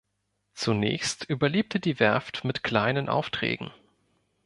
Zunächst überlebte die Werft mit kleinen Aufträgen.